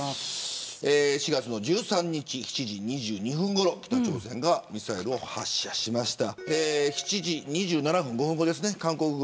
４月１３日、７時２２分ごろ北朝鮮がミサイルを発射しました。